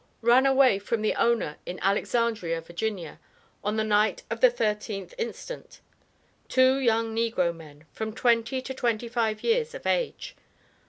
Ran away from the owner in Alexandria, Va., on the night of the 13th inst., two young negro men, from twenty to twenty five years of age.